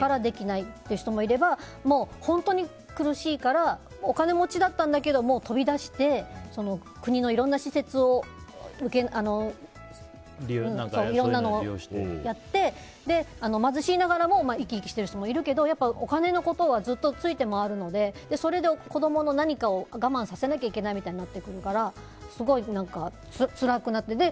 そういう人もいれば本当に苦しいからお金持ちだったんだけど飛び出して国のいろんな施設を利用していろいろ利用して貧しいながらも生き生きしている人もいるけどお金のことはずっとついて回るのでそれで子供の何かを我慢させなきゃいけないってなってくるからすごいつらくなっている。